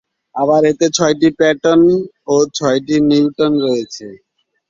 আবার, এতে ছয়টি প্রোটন ও ছয়টি নিউট্রন রয়েছে।